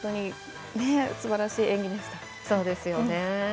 すばらしい演技でした。